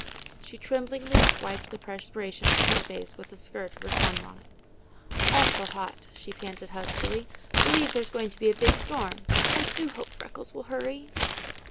She tremblingly wiped the perspiration from her face with the skirt of her sunbonnet. "Awfu' hot," she panted huskily. "B'lieve there's going to be a big storm. I do hope Freckles will hurry."